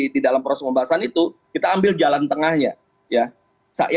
di dalam proses pembahasan itu kita ambil jalan tengahnya